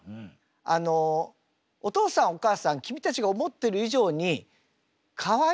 あのお父さんお母さん君たちが思ってる以上にかわいいと思ってますのできっと。